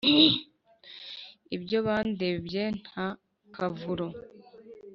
Ibyo bandembye nta kavuro,